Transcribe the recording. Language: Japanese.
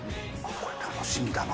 これ楽しみだな。